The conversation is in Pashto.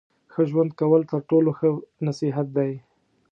ښه ژوند کول تر ټولو ښه نصیحت دی.